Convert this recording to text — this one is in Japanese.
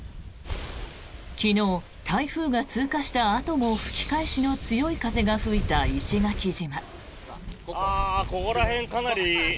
昨日、台風が通過したあとも吹き返しの強い風が吹いた石垣島。